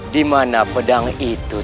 dimana pedang itu